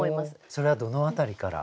それはどの辺りから？